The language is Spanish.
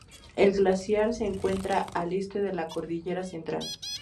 El glaciar se encuentra al este de la Cordillera Central.